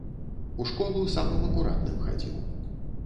У школу самым акуратным хадзіў.